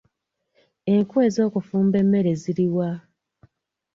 Enku ez’okufumba emmere ziri wa?.